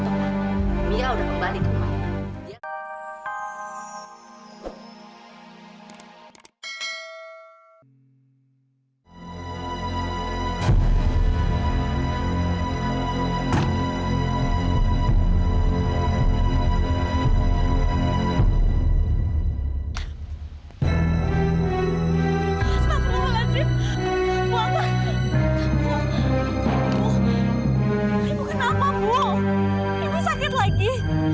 kalau kakak butuhmu kakak bisa ke kamar aku